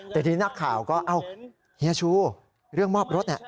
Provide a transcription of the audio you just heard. แต่ทีนี้นักข่าวก็เอ้าเฮียชูเรื่องมอบรถเนี่ย